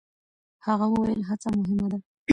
هغه وویل، هڅه مهمه ده.